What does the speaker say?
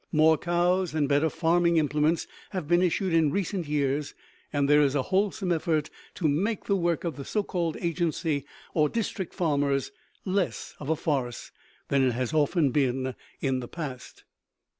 More cows and better farming implements have been issued in recent years, and there is a wholesome effort to make the work of the so called agency or "district farmers" less of a farce than it has often been in the past.